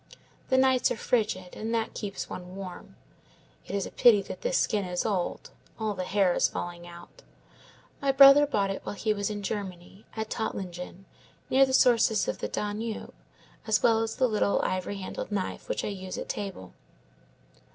The nights are frigid, and that keeps one warm. It is a pity that this skin is old; all the hair is falling out. My brother bought it while he was in Germany, at Tottlingen, near the sources of the Danube, as well as the little ivory handled knife which I use at table.